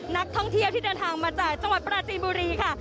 นักท่องเที่ยวที่เดินทางมาจากจังหวัดปราจีนบุรีค่ะ